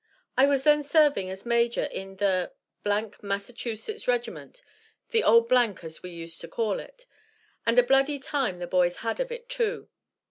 I was then serving as Major in the th Massachusetts Regiment the old th, as we used to call it and a bloody time the boys had of it too.